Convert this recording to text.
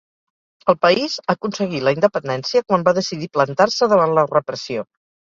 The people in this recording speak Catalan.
El país aconseguí la independència quan va decidir plantar-se davant la repressió.